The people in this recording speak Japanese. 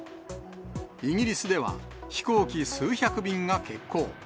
イギリスでは、飛行機数百便が欠航。